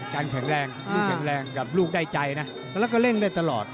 แข็งแรงลูกแข็งแรงกับลูกได้ใจนะแล้วก็เร่งได้ตลอด